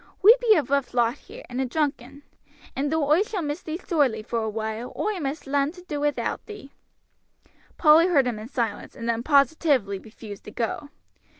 We be a rough lot here, and a drunken; and though oi shall miss thee sorely for awhile, oi must larn to do wi'out thee." Polly heard him in silence, and then positively refused to go.